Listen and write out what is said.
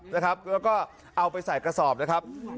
นะครับแล้วก็เอาไปใส่กระศอบนะครับ